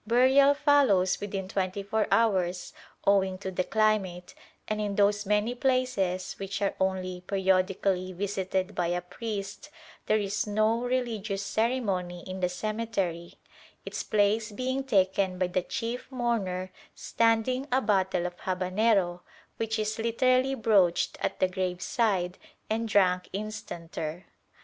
Burial follows within twenty four hours owing to the climate, and in those many places which are only periodically visited by a priest there is no religious ceremony in the cemetery; its place being taken by the chief mourner "standing" a bottle of habanero, which is literally broached at the graveside and drunk instanter.